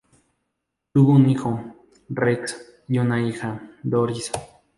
Tuvo un hijo, Rex, y una hija, Doris.